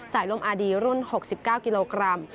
สาหรุมอาร์ดีรุ่น๖๙กิโลกรัม